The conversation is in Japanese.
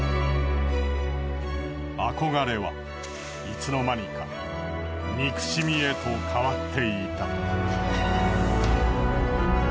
憧れはいつの間にか憎しみへと変わっていた。